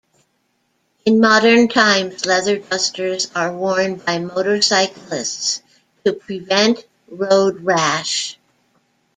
In modern times, leather dusters are worn by motorcyclists to prevent road rash.